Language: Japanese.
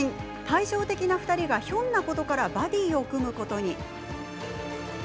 対照的な２人がひょんなことからバディーを組むことに。